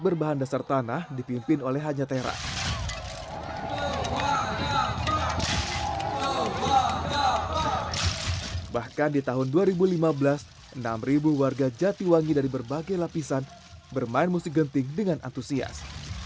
genting jatiwangi jadi cerita yang tersiar